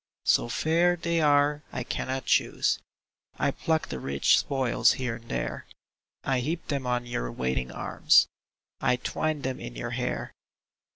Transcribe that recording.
So fair they are I cannot choose ; I pluck the rich spoils here and there ; I heap them on your waiting arms ; I twine them in your hair.